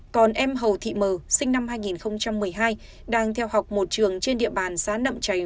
còn em hầu thị mờ sinh năm hai nghìn một mươi hai đang theo học một trường trên địa bàn xã nậm trành